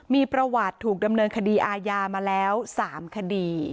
มีประวัติถูกดำเนินคดีอาญามาแล้ว๓คดี